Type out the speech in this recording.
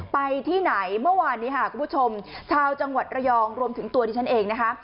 ไปที่ไหนเมื่อวานนี้ค่ะคุณผู้ชมชาวจังหวัดระยองรวมถึงตัวดิฉันเองนะคะ